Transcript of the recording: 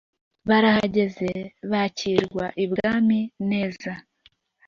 barahageze bakirwa ibwami neza